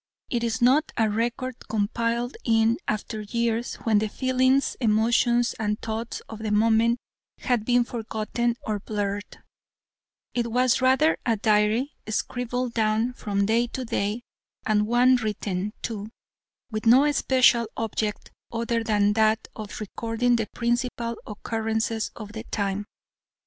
It is not a record compiled in after years when the feelings, emotions, and thoughts of the moment had been forgotten or blurred, It was rather a diary scribbled down from day to day, and one written, too, with no special object other than that of recording the principal occurrences of the time.